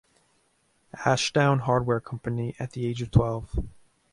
Ashdown Hardware Company at the age of twelve.